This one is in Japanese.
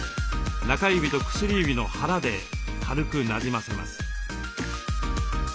中指と薬指の腹で軽くなじませます。